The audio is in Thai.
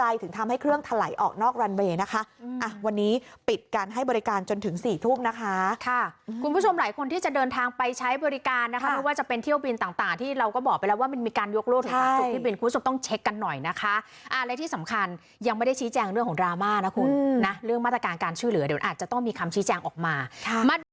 โอ้ยเนี่ยผู้โดยสารก็บอกว่าโอ้ยเนี่ยผู้โดยสารก็บอกว่าโอ้ยเนี่ยผู้โดยสารก็บอกว่าโอ้ยเนี่ยผู้โดยสารก็บอกว่าโอ้ยเนี่ยผู้โดยสารก็บอกว่าโอ้ยเนี่ยผู้โดยสารก็บอกว่าโอ้ยเนี่ยผู้โดยสารก็บอกว่าโอ้ยเนี่ยผู้โดยสารก็บอกว่าโอ้ยเนี่ยผู้โดยสารก็บอก